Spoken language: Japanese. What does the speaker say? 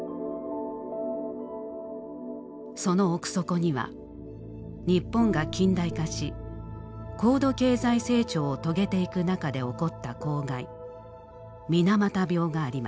その奥底には日本が近代化し高度経済成長を遂げていく中で起こった公害水俣病があります。